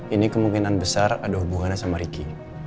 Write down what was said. ini kemungkinan besar ada hubungannya sama ricky